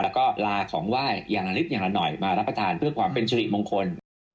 แล้วก็ลาของไหว้อย่างละนิดอย่างละหน่อยมารับประทานเพื่อความเป็นสิริมงคล